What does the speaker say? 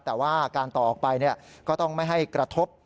แต่ว่าการต่อออกไปก็ต้องไม่ให้กระทบ